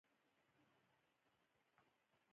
نو ځکه حاصل یې برکت لري.